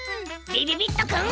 びびびっとくん。